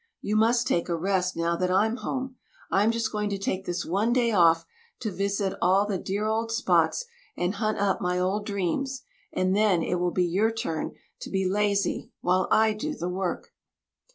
You must take a rest, now that I'm home. I'm just going to take this one day off to visit all the dear old spots and hunt up my old dreams, and then it will be your turn to be lazy while I do the work."